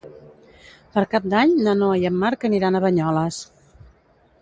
Per Cap d'Any na Noa i en Marc aniran a Banyoles.